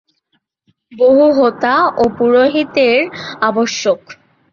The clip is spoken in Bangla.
বহু হোতা ও পুরোহিতের আবশ্যক।